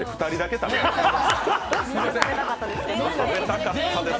食べたかったですよね。